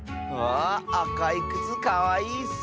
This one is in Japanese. ああかいくつかわいいッス！